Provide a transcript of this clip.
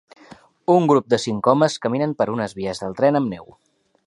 Un grup de cinc homes caminen per unes vies del tren amb neu.